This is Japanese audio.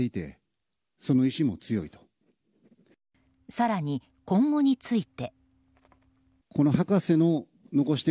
更に今後について。